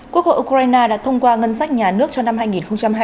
quốc hội ukraine đã thông qua ngân sách nhà nước cho năm hai nghìn hai mươi